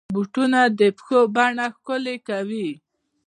بوټونه د پښو بڼه ښکلي کوي.